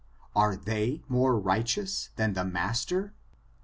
Are they more righteous than the master?